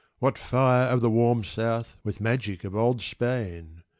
what fire Of the "warm South" with magic of old Spain!